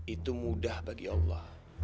itu mudah bagi allah